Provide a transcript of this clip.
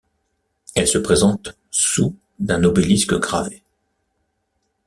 Elle se présente sous d'un obélisque gravé.